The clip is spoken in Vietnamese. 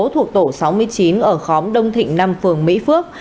thuộc tổ sáu mươi chín ở khóm đông thịnh năm phường mỹ phước